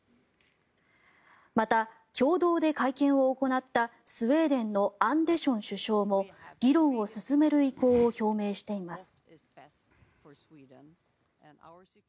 また、共同で会見を行ったスウェーデンのアンデション首相も議論を進める意向を表明しています。